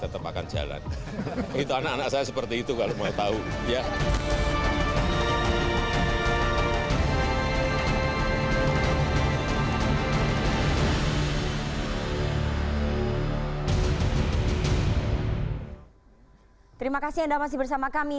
terima kasih anda masih bersama kami